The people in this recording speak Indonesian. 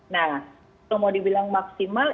nah mau dibilang maksimal